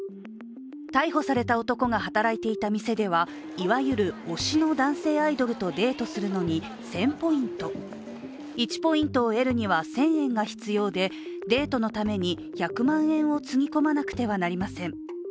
逮捕された男が働いていた店ではいわゆる推しの男性アイドルとデートするのに１０００ポイント、１ポイントを得るためには１０００円が必要でデートのために１００万円をつぎ込まなくてはなりません。